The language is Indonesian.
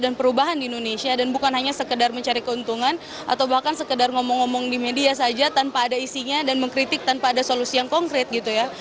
perubahan di indonesia dan bukan hanya sekedar mencari keuntungan atau bahkan sekedar ngomong ngomong di media saja tanpa ada isinya dan mengkritik tanpa ada solusi yang konkret gitu ya